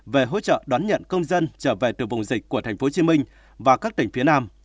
về hỗ trợ đón nhận công dân trở về từ vùng dịch của tp hcm và các tỉnh phía nam